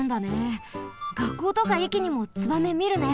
がっこうとかえきにもツバメみるね！